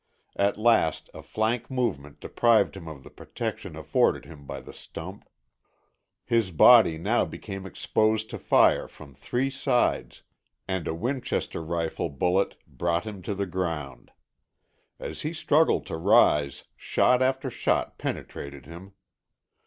At last a flank movement deprived him of the protection afforded him by the stump. His body now became exposed to fire from three sides, and a Winchester rifle bullet brought him to the ground. As he struggled to rise shot after shot penetrated him.